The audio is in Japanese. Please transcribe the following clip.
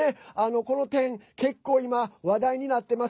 この点結構今、話題になってます。